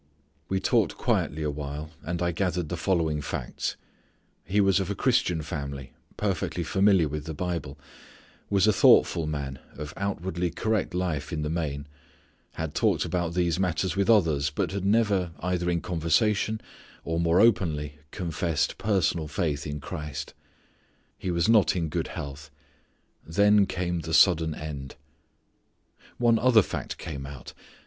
We talked quietly awhile and I gathered the following facts. He was of a Christian family, perfectly familiar with the Bible, was a thoughtful man, of outwardly correct life in the main, had talked about these matters with others but had never either in conversation or more openly confessed personal faith in Christ. He was not in good health. Then came the sudden end. One other fact came out.